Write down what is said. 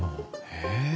へえ。